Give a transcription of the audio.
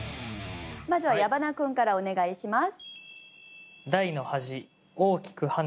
まずは矢花君からお願いします。